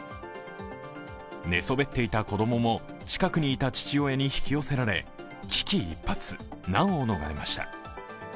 寝そべっていた子供も近くにいた父親に引き寄せられ危機一髪、難を逃れました。